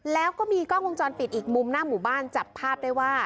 แล้วก็มีกล้องวงจรปิดอีกมุมหน้าหมู่บ้านจับภาพได้ว่า